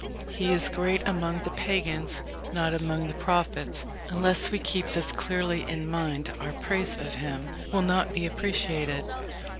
He is great among the pagans, not among the prophets. Unless we keep this clearly in mind our praise of him will not be appreciation.